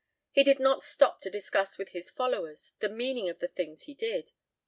He did not stop to discuss with his followers the meaning of the things he did.